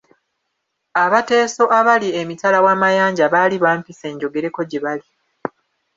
Abateeso abali emitala w’amayanja baali bampise njogereko gye bali.